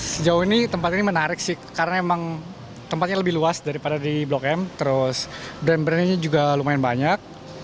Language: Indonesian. sejauh ini tempat ini menarik sih karena memang tempatnya lebih luas daripada di blok m terus brand brandnya juga lumayan banyak